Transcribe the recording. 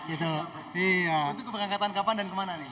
itu keberangkatan kapan dan kemana nih